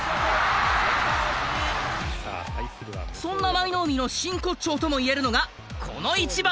そんな舞の海の真骨頂ともいえるのがこの一番。